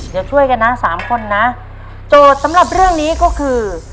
เดี๋ยวช่วยกันนะสามคนนะโจทย์สำหรับเรื่องนี้ก็คือ